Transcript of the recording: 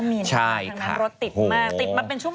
ติดละชั่วโมง